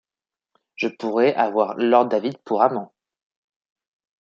Je pourrai avoir lord David pour amant.